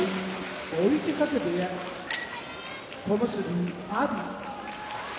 追手風部屋小結・阿炎